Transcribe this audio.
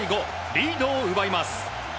リードを奪います。